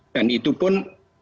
dan itu pun